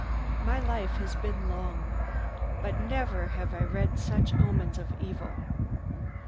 My life has been long, but never have I read such omens of evil!